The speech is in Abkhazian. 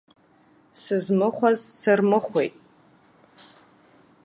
Сызмыхәаз сырмыхәеит.